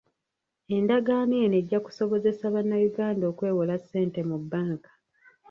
Endagaano eno ejja kusobozesa bannayuganda okwewola ssente mu bbanka.